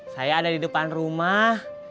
saya ada di depan rumah